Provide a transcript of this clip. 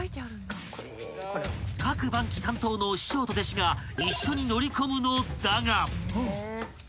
［各番機担当の師匠と弟子が一緒に乗り込むのだが］